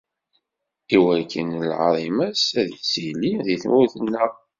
Iwakken lɛaḍima-s ad tili di tmurt-nneɣ.